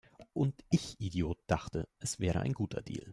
Und ich Idiot dachte, es wäre ein guter Deal!